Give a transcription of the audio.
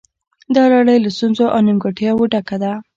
دا لړۍ له ستونزو او نیمګړتیاوو ډکه ده